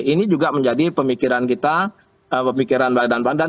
ini juga menjadi pemikiran kita pemikiran badan badan